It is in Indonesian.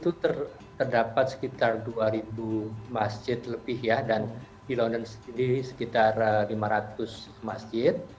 itu terdapat sekitar dua ribu masjid lebih ya dan di london sendiri sekitar lima ratus masjid